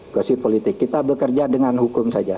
gosip politik kita bekerja dengan hukum saja